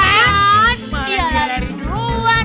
malah dia lari duluan